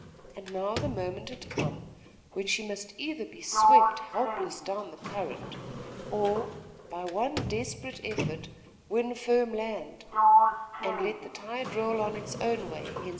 And now the moment had come when she must either be swept helpless down the current, or, by one desperate effort, win firm land, and let the tide roll on its own way henceforth....